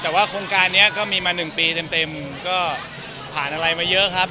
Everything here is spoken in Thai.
แต่ว่าโครงการนี้ก็มีมา๑ปีเต็มก็ผ่านอะไรมาเยอะครับ